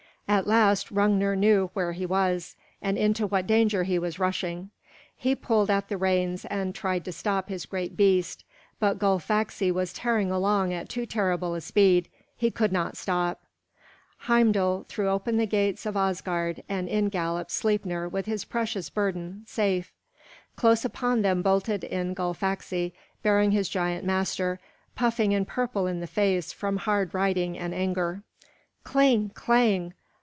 At last Hrungnir knew where he was, and into what danger he was rushing. He pulled at the reins and tried to stop his great beast. But Gullfaxi was tearing along at too terrible a speed. He could not stop. Heimdal threw open the gates of Asgard, and in galloped Sleipnir with his precious burden, safe. Close upon them bolted in Gullfaxi, bearing his giant master, puffing and purple in the face from hard riding and anger. Cling clang!